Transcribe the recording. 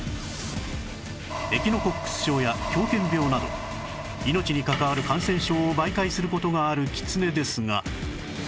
エキノコックス症や狂犬病など命に関わる感染症を媒介する事があるキツネですが